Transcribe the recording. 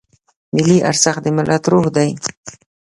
ملي ارزښت د ملت روح دی.